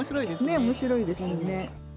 ねっ面白いですよね。